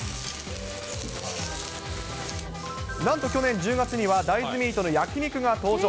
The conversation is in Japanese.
なんと去年１０月には、大豆ミートの焼き肉が登場。